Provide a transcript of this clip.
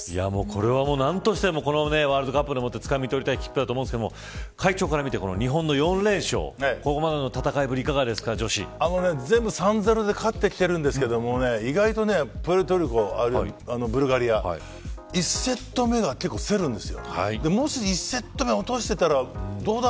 これは何としてもワールドカップでつかみ取りたい切符ですが会長から見て、日本の４連勝ここまでの戦いぶり全部３ー０で勝ってきていますが意外とプエルトリコブルガリア１セット目が結構せるです。